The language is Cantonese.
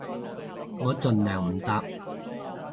我盡量唔搭